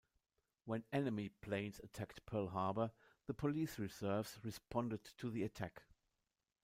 When enemy planes attacked Pearl Harbor, the police reserves responded to the attack.